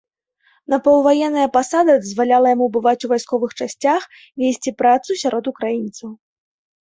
Напаўваенная пасада дазваляла яму бываць у вайсковых часцях, весці працу сярод украінцаў.